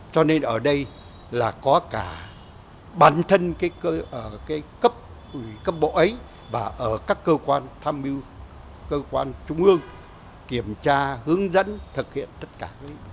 cho nên ở đây là có cả bản thân ở cái cấp ủy cấp bộ ấy và ở các cơ quan tham mưu cơ quan trung ương kiểm tra hướng dẫn thực hiện tất cả